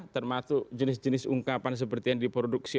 termasuk jenis jenis ungkapan seperti yang diproduksi